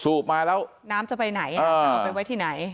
มาแล้วน้ำจะไปไหนจะเอาไปไว้ที่ไหน